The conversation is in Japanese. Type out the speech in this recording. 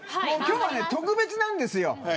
もう今日は特別なんですよ。